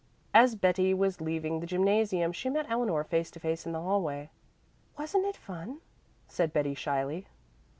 As Betty was leaving the gymnasium she met Eleanor face to face in the hallway. "Wasn't it fun?" said Betty, shyly.